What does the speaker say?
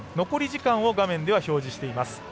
残り時間を画面では表示しています。